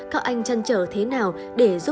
các anh chăn trở thế nào để giúp các em trở về